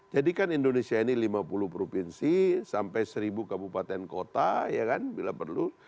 jadi kan indonesia ini lima puluh provinsi sampai seribu kabupaten kota ya kan bila perlu